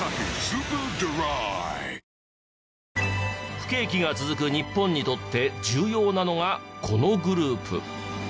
不景気が続く日本にとって重要なのがこのグループ。